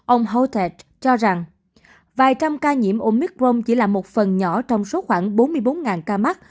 ông houther cho rằng vài trăm ca nhiễm omicron chỉ là một phần nhỏ trong số khoảng bốn mươi bốn ca mắc